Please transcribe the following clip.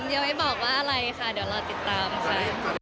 ยังไม่บอกว่าอะไรค่ะเดี๋ยวรอติดตามค่ะ